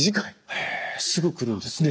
へえすぐ来るんですね。